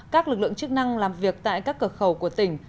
các lực lượng chức năng làm việc tại các cửa khẩu của tỉnh